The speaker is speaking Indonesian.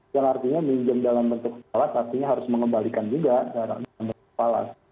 yang artinya minjem dalam bentuk salat artinya harus mengembalikan juga dalam bentuk salat